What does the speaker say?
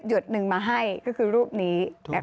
ดหนึ่งมาให้ก็คือรูปนี้